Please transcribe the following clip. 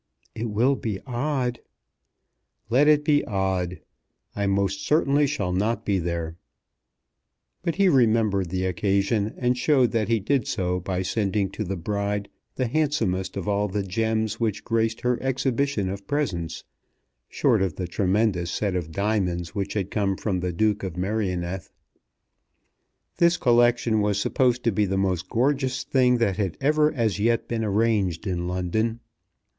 "It will be odd." "Let it be odd. I most certainly shall not be there." But he remembered the occasion, and showed that he did so by sending to the bride the handsomest of all the gems which graced her exhibition of presents, short of the tremendous set of diamonds which had come from the Duke of Merioneth. This collection was supposed to be the most gorgeous thing that had ever as yet been arranged in London.